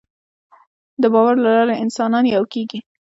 د باور له لارې انسانان یو کېږي.